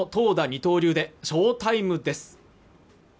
二刀流で翔タイムです